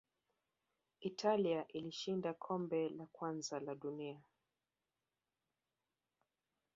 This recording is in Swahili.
italia ilishinda kombe la kwanza la dunia